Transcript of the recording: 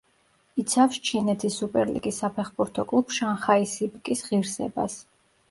იცავს ჩინეთის სუპერლიგის საფეხბურთო კლუბ „შანხაი სიპგის“ ღირსებას.